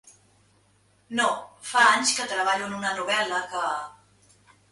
No, fa anys que treballo en una novel·la que...